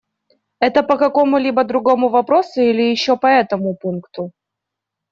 Это по какому-либо другому вопросу или еще по этому пункту?